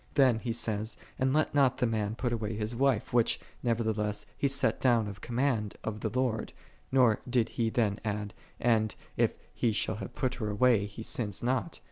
Then he saith, "And let not the man put away his wife," which, nevertheless, he set down of command of Ihe Lord: nor did he ihen add, And, if he shall have pul her away, he sinneth not.